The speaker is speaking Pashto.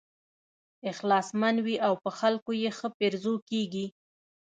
اخلاصمن وي او په خلکو یې ښه پیرزو کېږي.